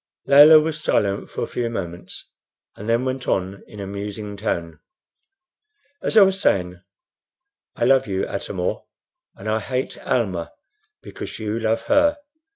Layelah was silent for a few moments, and then went on in a musing tone: "As I was saying, I love you, Atam or, and I hate Almah because you love her.